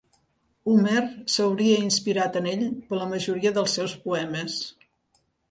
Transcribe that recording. Homer s'hauria inspirat en ell per la majoria dels seus poemes.